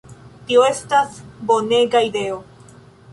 Tio estas bonega ideo!"